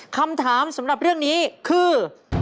คำถามสำหรับเรื่องนี้คือ